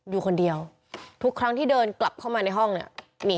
อยู่คนเดียวทุกครั้งที่เดินกลับเข้ามาในห้องเนี่ย